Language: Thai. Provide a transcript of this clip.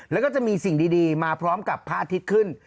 แล้วก็จะมีสิ่งดีมาพร้อมกับพระอาทิตย์ขึ้น